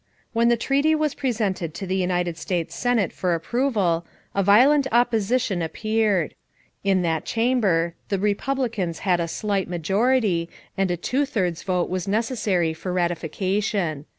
= When the treaty was presented to the United States Senate for approval, a violent opposition appeared. In that chamber the Republicans had a slight majority and a two thirds vote was necessary for ratification.